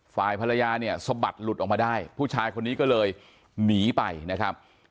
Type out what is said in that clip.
ฝ่ายภรรยาเนี่ยสะบัดหลุดออกมาได้ผู้ชายคนนี้ก็เลยหนีไปนะครับ